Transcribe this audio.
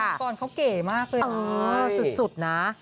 ตอนก่อนเขาเก่มากเลยเออสุดนะ